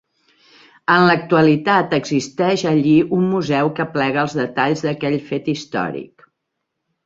En l'actualitat, existeix allí un museu que aplega els detalls d'aquell fet històric.